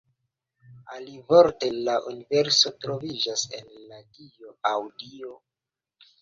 Alivorte, la universo troviĝas "en" la dio aŭ Dio.